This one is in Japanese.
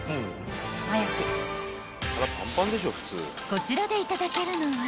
［こちらでいただけるのは］